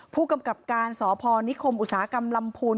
ผู้กำกับการสพนิคมอุตสาหกรรมลำพูน